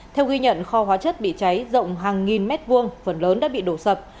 theo ghi nhận kho hóa chất bị cháy rộng hàng nghìn mét vuông phần lớn đã bị đổ sập